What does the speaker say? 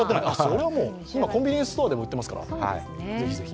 今、コンビニエンスストアでも売ってますから、ぜひぜひ。